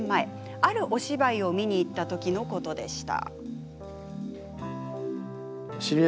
あるお芝居を見に行った時のことでした。